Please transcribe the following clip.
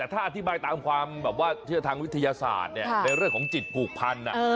แต่ถ้าอธิบายตามความแบบว่าเชื่อทางวิทยาศาสตร์ในเรื่องของจิตผูกพัน